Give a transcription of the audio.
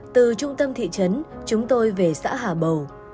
từ trung tâm thị trấn chúng tôi về xã hà bầu